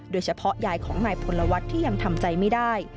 โดยเฉพาะยายของนายพลวัตรที่ยังทำใจไม่ได้